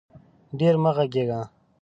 ډېر مه غږېږه